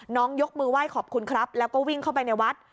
ยกมือไหว้ขอบคุณครับแล้วก็วิ่งเข้าไปในวัด